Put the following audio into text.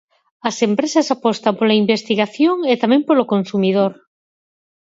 As empresas apostan pola investigación e tamén polo consumidor.